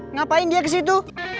ngapain dia kesitu